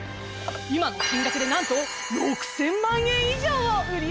今の金額でなんと６，０００万円以上を売り上げました。